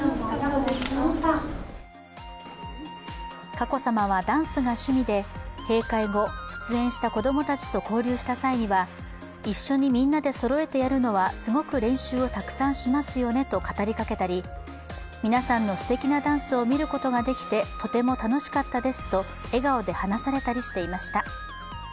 佳子さまはダンスが趣味で閉会後、出演した子供たちと交流した際には一緒にみんなでそろえてやるのはすごく練習をたくさんしますよねと語りかけたり、皆さんのすてきなダンスを見ることができてとても楽しかったですと笑顔で話されたりしていました。